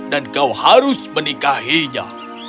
dan kau harus menikahinya